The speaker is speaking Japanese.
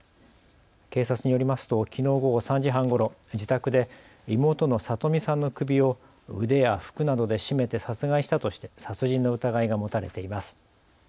警察によりますときのう午後３時半ごろ自宅で妹の聡美さんの首を腕や服などで絞めて殺害したとして殺人の疑いが持たれています。